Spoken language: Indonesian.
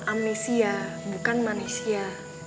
amnesia bukan manisia